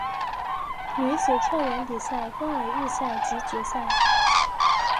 女子跳远比赛分为预赛及决赛。